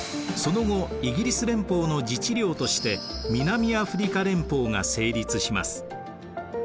その後イギリス連邦の自治領として南アフリカ連邦が成立します。